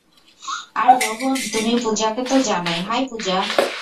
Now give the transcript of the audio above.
আর রোহন, তুমি পুজাকে তো জানোই, - হাই, পূজা।